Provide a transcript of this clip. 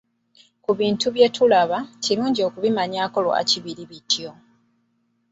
Ku bintu bye tulaba, kirungi okubimanyaako lwaki biri bityo?